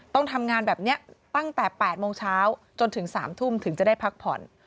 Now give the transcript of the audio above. ต้องทำงานแบบนี้ตั้งแต่๘โมงเช้าจนถึง๓ทุ่มถึงจะได้พักผ่อน